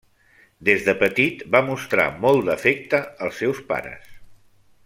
Des de petit va mostrar molt d'afecte als seus pares.